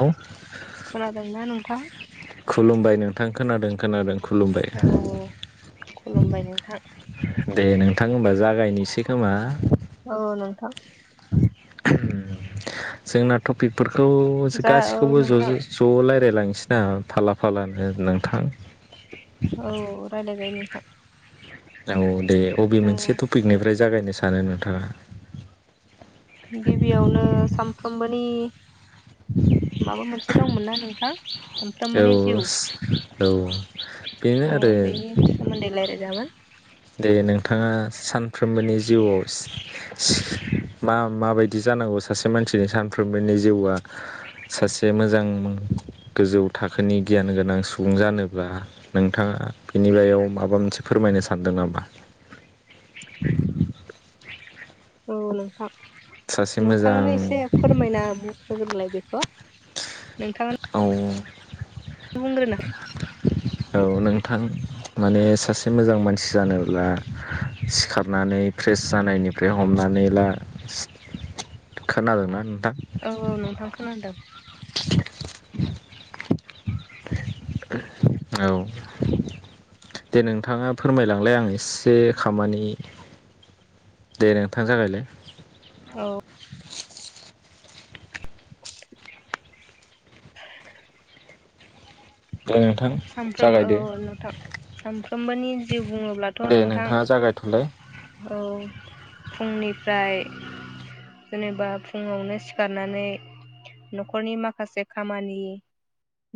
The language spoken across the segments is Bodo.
औ खोनादोंना नोंथां? खुलुमबाय नोंथां खोनादों खोनादों खुलुमबाय औ खुलुमबाय नोंथां थाङो होमबा जागायनिसै खोमा थां जोंना टपिकफोरख खौ जा औ गाससिखौबो नोंथां जजै ज' लाय लायलांसिना फाला फालानो नोंथां औ रायलाय जायो नोंथां औ दे अबे उम मोनसे टपिकनिफ्राय जागायनो सार नोंथां गिबियावनो साम साफ्रोमबोनि माबा मोनसे दंमोन ना नोंथां सानफ्रोमबोनि जिउ औ औ बेनो अ आरो बेनि सोमोन्दै रायलायजागोन। दे नोंथाङा सानफ्रोमबोनि जिउआव मा माबायदि जानांगौ सासे मानसिनि सानफ्रोमबोनि जिउआ सासे मोजां गोजौ थाखोनि गियान गोनां सुबुं जानोब्ला नोंथाङा बिनि बायाव माबा मोनसे फोरमायनो सान सानदों ना औ नोंथां सासे नोंथाङानो मोजां एसे फोरमायना होग्रोलाय बेखौ नोंथां औ बुग्रोरनाय औ नोंथां माने सासे मोजां मानसि जानोब्ला सिखारनानै फ्रेस जानायनिफ्राय हमनानै ला खोनादोंना नो? औ औ नोंथां खोनादों। [inaudible] औ दे नोंथाङा फोरमायलांलाय आं एसे खामानि दे नोंथां जागायलाय औ। दे नोंथां सानफ्रोम औ जागायदो नोंथां सानफ्रोमबोनि जिउ बुङोब्लाथ' दे नोंथां। नोंथाङा जागायथ'लाय औ फुंनिफ्राय जेनेबा फुंङावनो सिखारनानै न'खरनि माखासे खामानि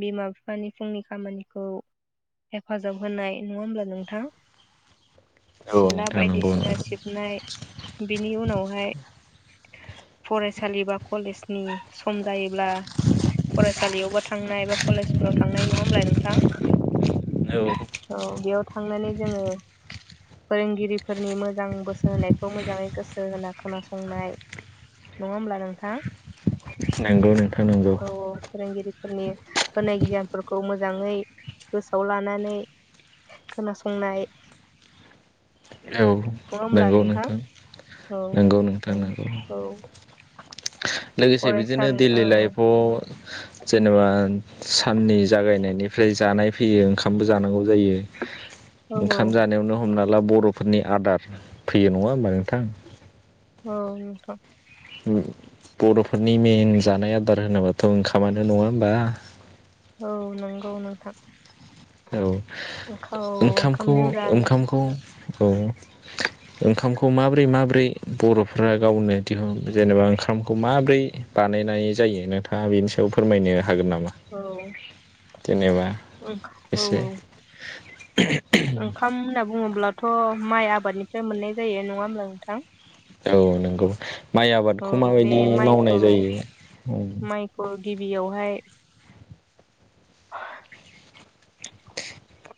बिमा बिफानि फुंनि खामानि खौ हेफाजाब होनाय नङा होमब्ला नोंथां? औ सिला नोंथां नंगौ बायदिसिना नंगौ सिबनाय बिनि उनाव हाय फरायसालि बा कलेजनि सम जायोब्ला फरायसालियावबो थांनाय बा कलेजफोराव थांनाय नङा होमबा नोंथां? औ औ बेयाव थांनानै जोङो फोरोंगिरिफोरनि मोजां बोसो होनायखौ मोजाङै गोसो होना खोनासंनाय नङा होमब्ला नोंथां? नंगौ नोंथां नांगौ। फोरनि होनाय गियानफोरखौ मोजाङै गोसोआव लानानै खोनासंनाय औ नङा होमब्ला नंगौ नोंथां औ नंगौ नोंथां। औ। लोगोसे बिदिनो फरायसालि औ दैलि लाइफआव जेनेबा साननि जागायनायनिफ्राय जानाय फैयो ओंखामबो जानांगौ जायो। औ ओंखाम औ जानायावनो हमना ला बर'फोरनि आदार फैयो नङा होमबा नोंथां? औ नोंथां उम बर'फोरनि मेन जानाय आदार होनोबाथ' ओंखामानो नङा होमबा? औ नंगौ नोंथां। औ औ ओंखामखौ ओंखामजों जानो ओंखामखौ औ ओंखामखौ माबोरै माबोरै बर'फ्रा गावनो दिहुन जेनेबा ओंखामखौ माबोरै बानायनाय जायो? नोंथाङा बेनि सायाव फोरमायनो हागोन नामा? औ जेनेबा औ एसे [inaudible] ओंखाम होनना बुङोब्ला थ' माइ आबादनिफ्राय मोननाय जायो। नङा होमब्ला नोंथां? औ नंगौ माइ औ आबादखौ बे माबायदि माइखौ मावनाय जायो? उम माइखौ गिबियावहाय अ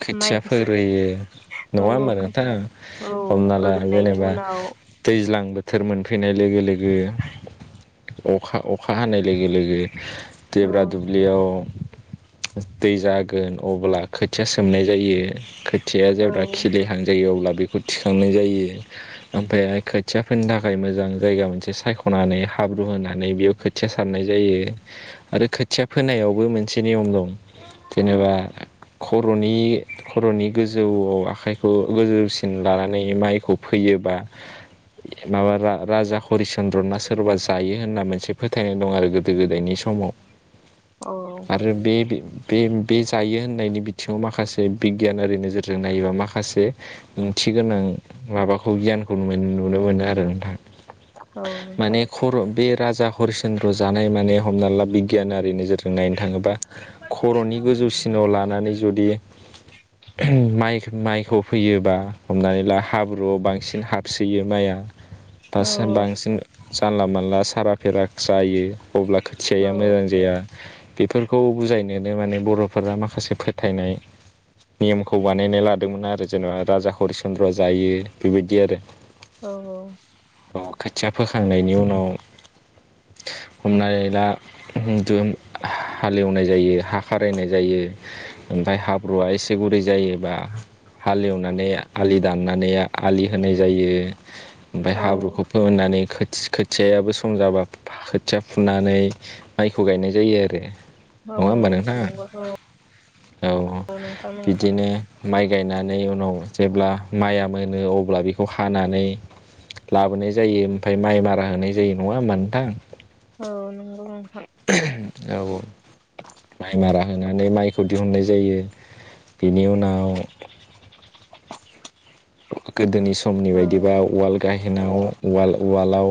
खोथिया फोग्रोयो नङा औ होमबा नोंथां? औ हमना ला फोग्रोनायनि जेनेबा उनाव दैज्लां बो बोथोर मोनफैनाय लोगो लोगो अखा अखा हानाय लोगो लोगो औ देब्रा दुब्लियाव दै जागोन अब्ला खो थिया सोमनाय जायो खो थिया औ जेब्ला खिलिहांजायो अब्ला बेखौ थिखांनाय जायो। ओमफ्राय खोथिया फोनो थाखाय मोजां जायगा मोनसे सायख'नानै हाब्रु होनानै बेयाव खोथिया सारनाय जायो आरो खोथिया फोनायावबो मोनसे नियम दं। जेनेबा खर'नि खर'नि गोजौआव आखाइखौ गोजौसिन लानानै माइखौ फैयोबा माबा राजा हरिचन्द्र ना सोरबा जायो होनना मोनसे फोथायनाय दं आरो गोदो गोदायनि समाव। औ आरो बे बि बे बे जायो होननायनि बि थिङाव माखासे बिगियानारि नोजोरजों नायोबा माखासे ओंथि गोनां माबाखौ गियानखौ न नुनो मोनो आरो नोंथां। औ माने नोंथां खर' बे राजा हरिचन्द्र जानाय माने हमना ला बिगियानारि नोजोर जों नायनो थाङोबा खर'नि गोजौसिनाव लानानै जुदि माइ माइखौ फैयोबा हमनानै ला हाब ब्रुआव बांसिन हाबसोयो माइआ दा औ सोर बांसिन जानला मानला थारा फेरा जायो अब्ला औ खोथियाया मोजां जाया। बेफोरखौ बुजायनोनो माने बर'फोरा माखासे फो थायनाय नियमखौ बानायना लादोंमोन आरो जेनेबा राजा हरिचन्द्र जायो बेबायदि आरो औ औ अ खोथिया फोखांनायनि उनाव हमनानै ला हालेवनाय जायो हा खारायनाय जायो ओमफ्राय हाब्रुआ एसे गुरै जायोबा हालेवनानै आलि दाननानै आलि होनाय जायो ओमफाय औ हाब्रुखौ फोननानै खो खोथियायाबो सम जाबा खोथिया फुनानै माइखौ गायनाय जायो आरो औ नङा होमबा औ नोंथां नंगौ औ बिदिनो माइ गायनानै उनाव जेब्ला माइया मोनो अब्ला बेखौ हानानै लाबोनाय जायो ओमफ्राय माइ मारा होनाय जायो नङा होमबा नोथां? औ नोंगौ औ माइ मारा होनानै माइखौ दिहुननाय जायो बेनि उनाव गोदोनि समनि औ बायदिबा उवाल गाह हेनाव उवाल उवालाव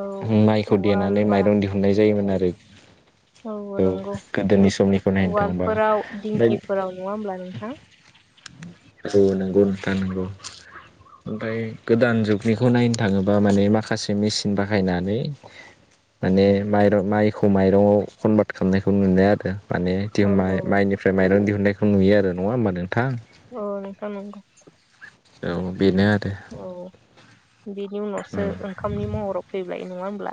औ माइखौ उवाल देनानै बा माइरं दिहुननाय जायोमोन आ [unintelligible] औ नंगौ गोदोनि समनिखौ नायनो थाङोबा उवालफोराव ओमफ्राय दिंखिफोराव नङा होमब्ला नोंथां। औ नंगौ नोंथां नांगौ ओमफ्राय गोदान जुगनिखौ नायनो थाङोबा माने माखासे मेचिन बाहायनानै माने माइर माइ खौ माइरंआव कनभार्ट खालामनायखौ [unintelligible] आरो। माने औ [unintelligible] माइनिफ्राय माइरं दिहुन नायखौ नुयो आरो नङा होमबा नोंथां। औ नोंथां नोंगौ। औ बेनो आ औ बिनि उनावसो ओंखामनि महराव फैबाय। नङा होमब्ला।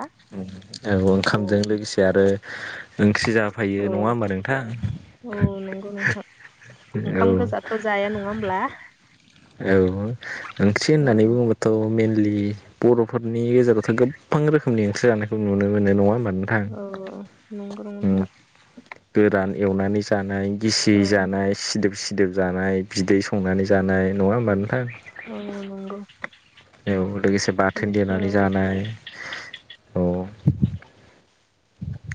औ ओंखामजों लोगोसे आरो ओंख्रि जाफायो औ नङा होमबा नोंथां औ नंगौ नोंथां औ। ओंखाम गोजाथ' जाया नङा होमब्ला औ [unintelligible] औ होननानै बुङोबाथ' [unintelligible] [unintelligible] बर'फोरनि गेजेरावथ' गोबां रोखोमनि ओंख्रि जानायखौ नुनो मोनो नङा होनबा। नोंथां औ नंगौ उम नोंथां गोरान एवनानै जानाय गिसि औ जानाय सिदोब सि खिदोब जानाय बिदै संनानै जानाय। नङा होमबा नोंथां। अ नंगौ। औ। लोगोसे बाथोन बेखौ औ देनानै जानाय। औ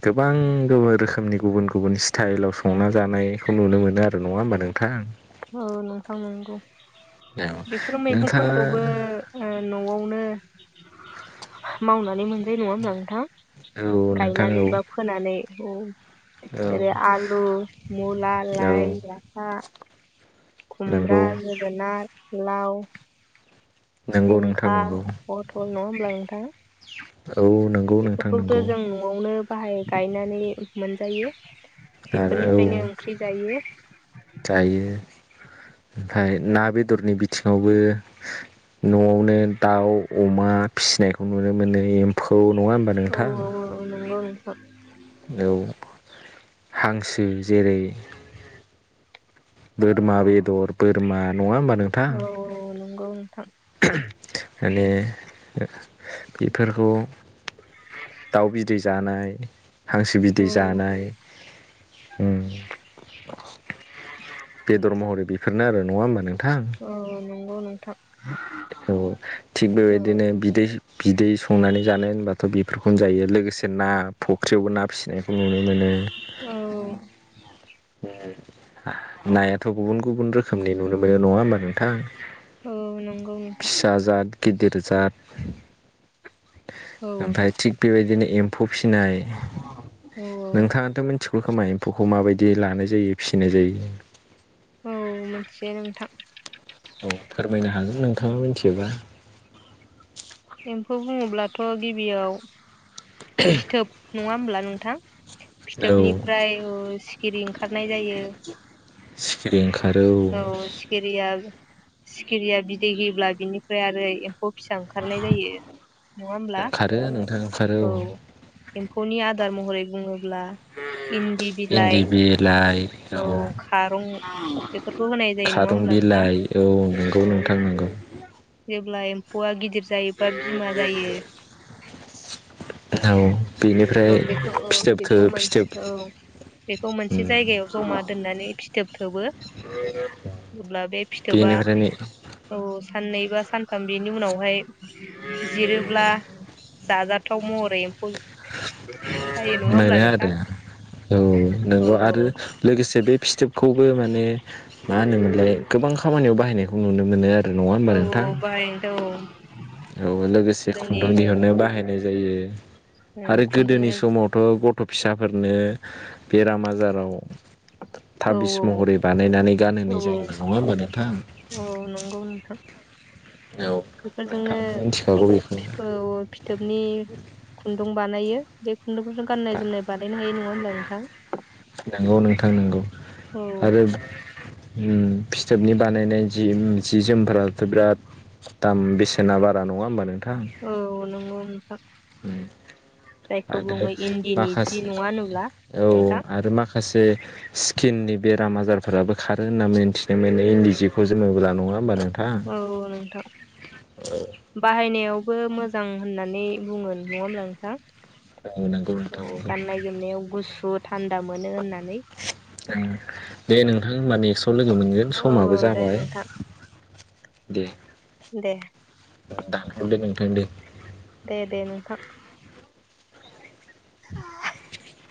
गोबां [unintelligible] रोखोमनि गुबुन गुबुन स्टाइलाव संना जानाय। खौ नुनो मोनो आरो नङा होमबा नों थां। औ नोंथां नंगौ। औ बेफोर नोंथाङा मैगंफोरखौबो ओ न'आवनो मावनानै मोन जायो नङा होमब्ला नोंथां, औ नोंथां गायनानै बा फोनानै औ। औ जेरै-आलु, मुला, औ लाय, औ लाफा। नंगौ खुुमब्रा, जोगोनार। लाउ, नंगौ नोंथां जिंखा नंगौ पथल होनब्ला नोंथां। [inaudible] औ नंगौ नोंथां बेफोरखौथ' नंगौ। जों न'आवनो बाहाय गायनानै मोनजायो। आरो बेफोरनिफ्रायनो औ ओंख्रि जायो जायो ओमफ्राय ना बेदरनि बिथिङावबो न'आवनो दाउ, अमा फिसिनायखौ नुनो मोनो। एमफौ नङा होनोमबा औ नोंथां? औ औ [inaudible] औ हांसो जेरै बोरमा बेदर बोरमा नङा होनबा। औ औ औ नंगौ नोंथां। माने बेफोरखौ दाउ बिदै जानाय हांसो बिदै औ जानाय। उम बेदर महरै बेफोरनो आरो नङा होनोमबा नों ओ नंगो [inaudible] औ थिग औ बेबायदिनो बिदै बिदै संनानै जानो होनबाथ' बेफोरखौनो जायो, लोगोसे ना फख्रियावबो ना फिसिनाय। औ ओम नायाथ' गुबुन गुबुन रोखोमनि नुनो मोनो नङा होमबा नोंथां। औ नंगौ नोंथां। फिसा जाद गिदिर जाद। औ ओमफ्राय थिग बेबायदिनो एम्फौ फिसिनाय। औ नोंथाङाथ' मोन थिगौखोमा एमफौखौ माबाय बिदि लानाय जायो फिसिनाय जायो। औ मोनथियो नोंथां। औ फोरमायनो हागोन नोंथाङा मिथियोबा। एम्फौ बुङोब्लाथ गिबियाव फिथोब नङा होमब्ला नोंथां। औ फिथोबनिफ्राय ओस हिरिं खारनाय जायो सिखिरि ओंखारो औ सिखिरिया सिखिरिया बिदै होयोब्ला बिनिफ्राय आरो एम्फौ फिसा ओंखारनाय जायो नङा होमब्ला। ओंखारो नोंथां ओंखारो औ एम्फौनि आदार महरै बुङोब्ला इन्दि बिलाइ इन्दि बिलाइ औ खारं बेफोरखौ होनाय जायो नङा खारुं होमब्ला नोंथां बिलाइ औ नंगौ औ नोंथां नंगौ जेब्ला एम्फौया गिदिर जायोबा बिमा जायो औ औ बेनिफ्राय बेखौ औ फिथोबखौ बेखौ मोनसे फिथोब औ बेखौ मोनसे जायगायाव जमा दोननानै फिथोब थोबो अब्ला बे फिथोबा बेनिफ्रायनो औ सा नै बा सानथाम बिनि उनावहाय जिरोब्ला जाजाथाव मह होमब्ला मोनो नोंथां आरो औ औ नंगौ आरो लोगोसे बे फिथोबखौबो माने मा होनोमोनलाय गोबां खामानियाव बाहायनायखौ नुनो मोनो आरो नङा होनबा औ नोंथां बाहायनोथ' औ औ लोगोसे जोंनि खुन्दुं दिहुननो बाहायनाय जायो आरो खुन्दुं गोदोनि समावथ गथ थ फिसाफोरनो बेराम आजाराव औ थाबिस महरै बानायनानै औ गानहोनाय जायोमोन नङा होमबा नोंथां औ नंगौ नोंथां औ बेफोरजोंनो नोंथाङाबो मिथिखागौ बेखौ फिफौ फिथोबनि खुन्दुं बानायो [unintelligible] खुन्दुंफोरजों गाननाय जोमनाय बानायनो हायो नङा होमब्ला नोंथां नंगौ नोंथां नंगौ औ आरो उम फिथोबनि बानायनाय जि जि जोमफोराथ बिराद दाम बेसेना बारा नङा होमबा नों औ नंगौ नोंथां [inaudible] जायखौ आरो बुङो इन्दिनि जि माखासे नङा होनोब्ला औ ओं नोंथां आरो माखा माखासे स्किननि बेराम आजारफोराबो खारो होनना मिथिदोंमोनै इन्दि जिखौ जोङोबब्ला नङा होमबा नों औ नोंथां बाहायनायाव यावबो मोजां होननानै बुङो नङा होमब्ला नोंथां औ नंगौ नोंथां औ गाननाय जोमनायाव गुसु थान्दा मोनो होननानै दे नों थां होमबाथ नेस लोगो मोनगोन औ समाबो औ दे जाबाय नोंथां दे दे दानथदो नोंथां दे दे दे नोंथां ह [unintelligible]